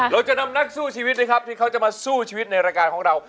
เราจะนำนักสู้ชีวิตนะครับที่เขาจะมาสู้ชีวิตในรายการของเรา